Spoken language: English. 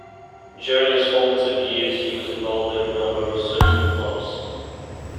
During his formative years he was involved in a number of social clubs.